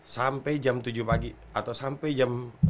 sampai jam tujuh pagi atau sampai jam